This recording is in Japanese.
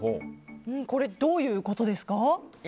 これどういうことですか？